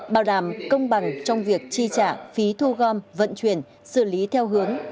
bảo đảm công bằng trong việc chi trả phí thu gom vận chuyển xử lý theo hướng